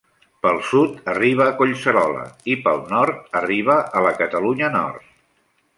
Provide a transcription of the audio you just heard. Pel sud arriba a Collserola i pel nord arriba a la Catalunya Nord.